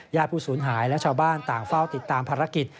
ผู้สูญหายและชาวบ้านต่างเฝ้าติดตามภารกิจ